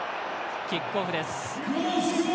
キックオフです。